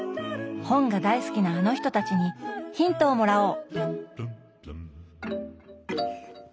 本が大好きなあの人たちにヒントをもらおう！